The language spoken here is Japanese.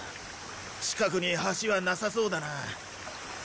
近くに橋はなさそうだな。